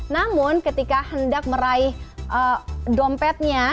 namun ketika hendak meraih dompetnya